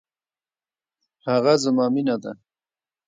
هغه زما مینه ده